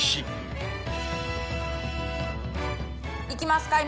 いきます。